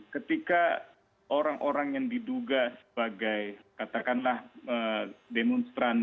ketika orang orang yang diduga sebagai katakanlah demonstran